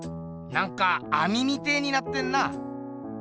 なんかあみみてえになってんな。